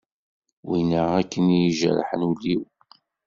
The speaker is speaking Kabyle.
Wina akken i ijerḥen ul-iw.